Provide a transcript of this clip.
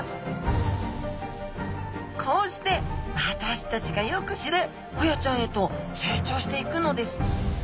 こうして私たちがよく知るホヤちゃんへと成長していくのです